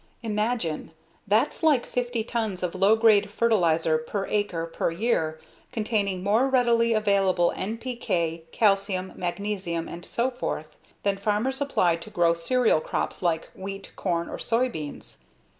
Imagine! That's like 50 tons of low grade fertilizer per acre per year containing more readily available NPK, Ca, Mg and so forth, than farmers apply to grow cereal crops like wheat, corn, or soybeans.